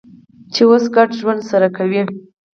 چې اوس ګډ ژوند سره کوي.